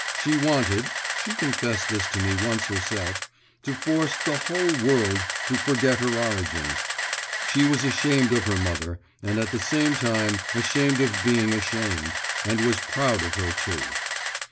She wanted (she confessed this to me once herself), to force the whole world to forget her origin; she was ashamed of her mother, and at the same time ashamed of being ashamed, and was proud of her too.